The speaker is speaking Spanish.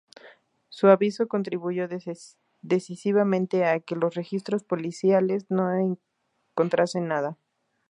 Su aviso contribuyó decisivamente a que los registros policiales no encontrasen nada.